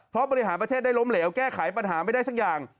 เพราะบริหารประเทศได้ล้มเหลวแก้ไขปัญหาไม่ได้สักอย่าง